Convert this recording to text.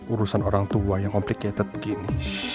urusan orang tua yang complicated gini